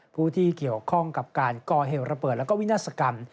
ผู้ที่เกี่ยวข้องกับการก่อเหตุระเบิดและวินาศกรรม